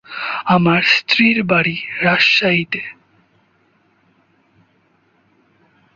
আমার স্ত্রীর বাড়ি রাজশাহীতে।